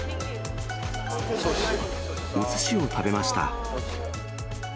おすしを食べました。